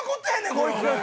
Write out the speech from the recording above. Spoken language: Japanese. こいつ。